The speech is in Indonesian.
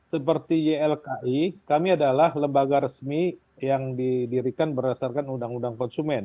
seperti ylki kami adalah lembaga resmi yang didirikan berdasarkan undang undang konsumen